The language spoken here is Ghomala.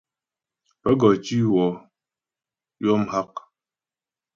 Pə́ gɔ tǐ wɔ yɔ mghak.